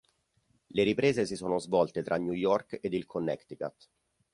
Le riprese si sono svolte tra New York ed il Connecticut.